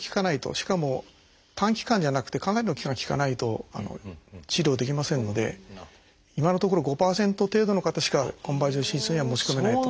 しかも短期間じゃなくてかなりの期間効かないと治療できませんので今のところ５％程度の方しかコンバージョン手術には持ち込めないと。